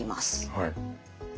はい。